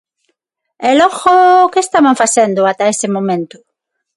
E logo, ¿que estaban facendo ata ese momento?